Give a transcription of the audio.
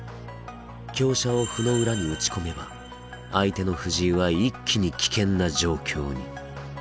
香車を歩の裏に打ち込めば相手の藤井は一気に危険な状況に。